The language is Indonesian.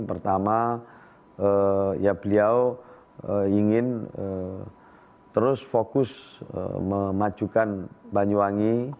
karena ya beliau ingin terus fokus memajukan banyuwangi